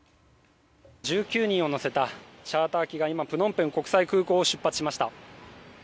１９人を乗せたチャーター機がプノンペン国際空港を出発しました。